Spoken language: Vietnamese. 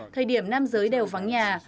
thời điểm nam giới đều vắng nhà